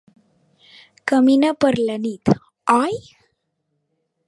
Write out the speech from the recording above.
Camina per la nit, oi?